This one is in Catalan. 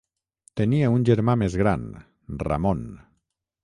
Tenia un germà més gran, Ramon.